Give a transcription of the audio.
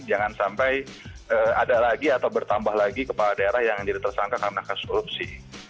jangan sampai ada lagi atau bertambah lagi kepala daerah yang jadi tersangka karena kasus korupsi